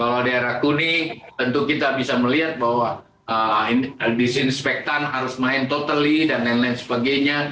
kalau daerah kuning tentu kita bisa melihat bahwa disinspektan harus main totally dan lain lain sebagainya